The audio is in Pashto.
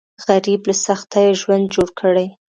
غریب له سختیو ژوند جوړ کړی